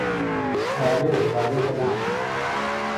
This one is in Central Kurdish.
چ کارەیه با بێته لام